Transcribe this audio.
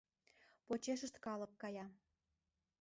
Почешышт калык кая.